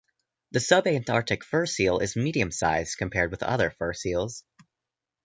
The subantarctic fur seal is medium-sized compared with other fur seals.